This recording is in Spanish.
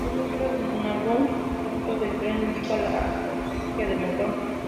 Un número en algún punto del tren indica la potencia del motor.